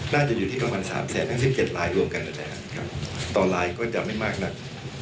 น่าจะอยู่ที่ประมาณ๓๑๗ลายร่วมกันต่อลายก็จะไม่มากนัก